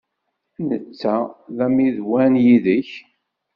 Netta d ammidwan yid-k?